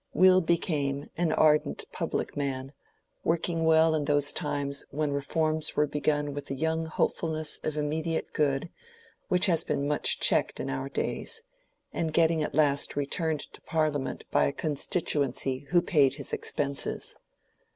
Will became an ardent public man, working well in those times when reforms were begun with a young hopefulness of immediate good which has been much checked in our days, and getting at last returned to Parliament by a constituency who paid his expenses.